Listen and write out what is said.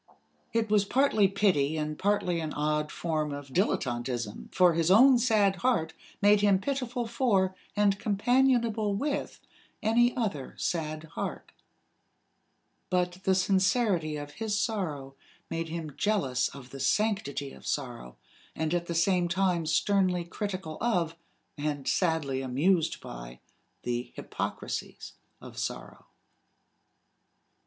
It was partly pity and partly an odd form of dilettanteism for his own sad heart made him pitiful for and companionable with any other sad heart; but the sincerity of his sorrow made him jealous of the sanctity of sorrow, and at the same time sternly critical of, and sadly amused by, the hypocrisies of sorrow.